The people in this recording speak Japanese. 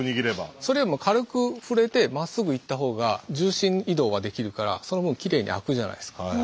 それよりも軽く触れてまっすぐいった方が重心移動ができるからその分きれいに開くじゃないですか。